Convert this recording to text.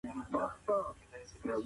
پاکوالی د مور له خوا کيږي.